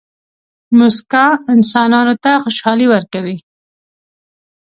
موسکا انسانانو ته خوشحالي ورکوي.